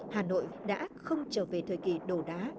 hà nội đã không trở về thời kỳ đổ đá